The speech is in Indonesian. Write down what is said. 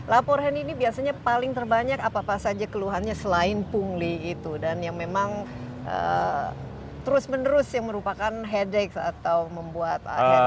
laporan ini biasanya paling terbanyak apa apa saja keluhannya selain pungli itu dan yang memang terus menerus yang merupakan headax atau membuat